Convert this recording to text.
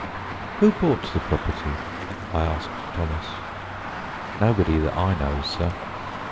"Who bought the property?" I asked Thomas. "Nobody that I knows, sir.